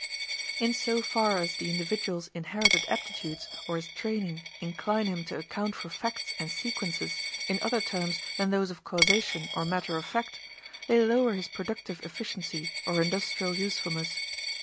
In so far as the individual's inherited aptitudes or his training incline him to account for facts and sequences in other terms than those of causation or matter of fact, they lower his productive efficiency or industrial usefulness.